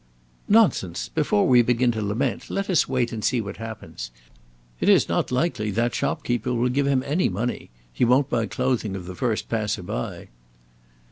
"Nonsense! Before we begin to lament, let us wait and see what happens. It is not likely that shopkeeper will give him any money. He won't buy clothing of the first passer by."